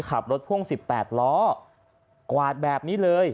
พ่วง๑๘ล้อกวาดแบบนี้เลย